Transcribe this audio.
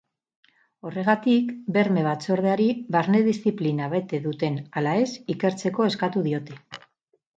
Horregatik, berme batzordeari barne diziplina bete duten ala ez ikertzeko eskatu diote.